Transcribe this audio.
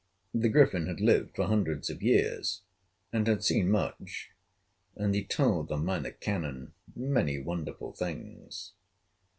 The Griffin had lived for hundreds of years, and had seen much; and he told the Minor Canon many wonderful things.